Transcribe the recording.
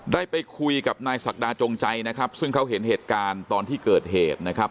ได้ไปคุยกับนายศักดาจงใจนะครับซึ่งเขาเห็นเหตุการณ์ตอนที่เกิดเหตุนะครับ